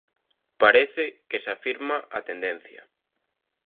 Parece que se afirma a tendencia.